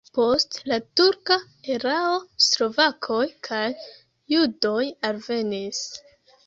Post la turka erao slovakoj kaj judoj alvenis.